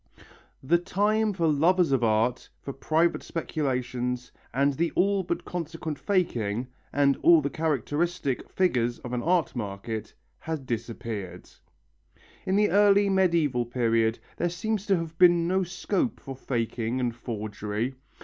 The time for lovers of art, for private speculations and the all but consequent faking, and all the characteristic figures of an art market had disappeared. In the early medieval period there seems to have been no scope for faking and forgery.